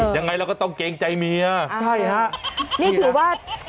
ยังไงเราก็ต้องเกรงใจเมียนะครับ